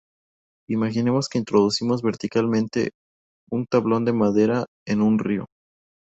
Imaginemos que introducimos verticalmente un tablón de madera en un río.